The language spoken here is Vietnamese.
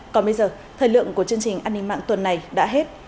còn bây giờ thời lượng của chương trình an ninh mạng tuần này đã hết